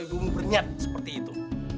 ibumu bernyat seperti itu